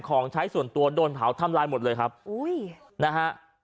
ของใช้ส่วนตัวโดนเผาทำลายหมดเลยครับอุ้ยนะฮะ